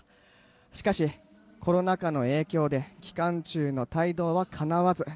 しかし、コロナ禍の影響で期間中の帯同はかなわず。